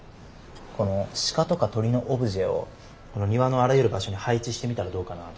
この鹿とか鳥のオブジェをこの庭のあらゆる場所に配置してみたらどうかなぁと思って。